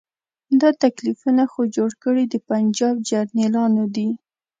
دا تکلیفونه خو جوړ کړي د پنجاب جرنیلانو دي.